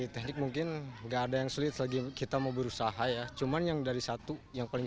teknik mungkin nggak ada yang sulit lagi kita mau berusaha ya cuman yang dari satu yang paling